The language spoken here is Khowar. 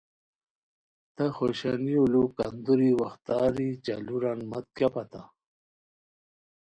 تہ خوشانیو لُو کندوری وختاری چالوران مت کیہ پتہ